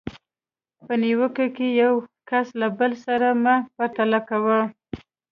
په نیوکه کې یو کس له بل سره مه پرتله کوئ.